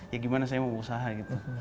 ya gimana saya mau usaha gitu